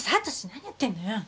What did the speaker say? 何言ってんのよ？